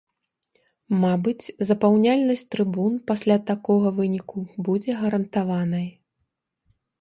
Мабыць, запаўняльнасць трыбун пасля такога выніку будзе гарантаванай.